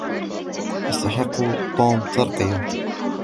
يستحق توم ترقيةً.